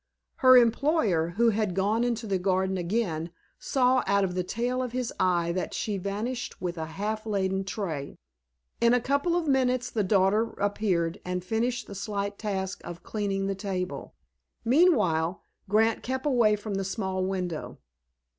Her employer, who had gone into the garden again, saw out of the tail of his eye that she vanished with a half laden tray. In a couple of minutes the daughter appeared, and finished the slight task of clearing the table; meanwhile, Grant kept away from the small window.